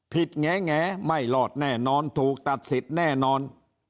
แงไม่รอดแน่นอนถูกตัดสิทธิ์แน่นอน